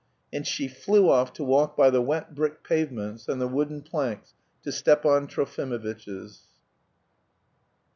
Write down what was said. And she flew off to walk by the wet brick pavements and the wooden planks to Stepan Trofimovitch's.